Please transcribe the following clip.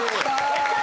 やった！